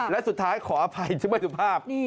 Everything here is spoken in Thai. และสุดท้ายขออภัยทุกวันสุภาพ